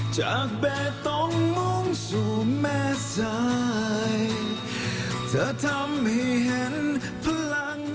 จากแบบต้องมองสู่แม่สายเธอทำให้เห็นพลัง